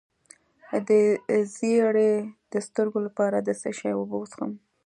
د زیړي د سترګو لپاره د څه شي اوبه وڅښم؟